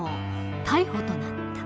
逮捕となった。